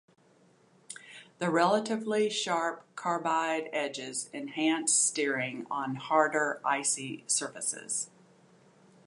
The relatively sharp carbide edges enhance steering on harder icy surfaces.